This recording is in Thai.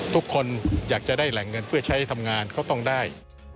ทุกคนอยากจะได้แหล่งเงินเพื่อใช้ทำงานก็ต้องได้